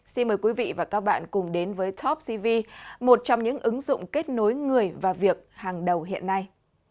xin mời quý vị và các bạn cùng đến với topcv một trong những ứng dụng kết nối người và việc hàng đầu hiện nay